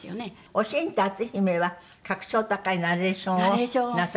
『おしん』と『篤姫』は格調高いナレーションをなさった。